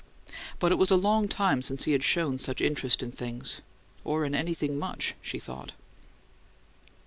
But it was a long time since he had shown interest in such things "or in anything much," as she thought.